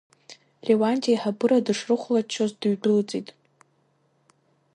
Леуанти аиҳабыра дышрыхәлаччоз дыҩдәылҵит.